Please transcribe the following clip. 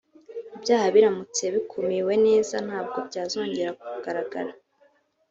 « ibyaha biramutse bikumiwe neza ntabwo byazongera kugaragara